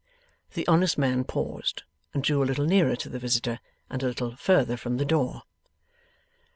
The honest man paused, and drew a little nearer to the visitor, and a little further from the door.